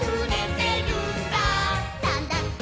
「なんだって」